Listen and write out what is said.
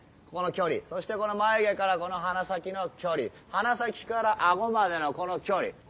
ここの距離そしてこの眉毛からこの鼻先の距離鼻先から顎までのこの距離。